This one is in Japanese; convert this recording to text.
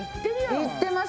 行ってます